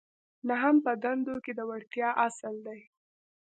نهم په دندو کې د وړتیا اصل دی.